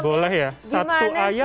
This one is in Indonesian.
boleh ya satu ayat